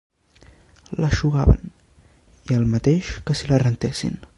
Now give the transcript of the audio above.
L'eixugaven, i el mateix que si la rentessin